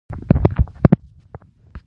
د وچې ډوډۍ نانوایي ګانې ډیرې دي